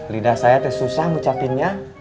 lidah saya susah ngucapinnya